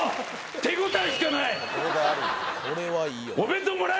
手応えしかないどう？